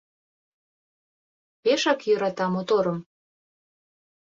Пешак йӧрата моторым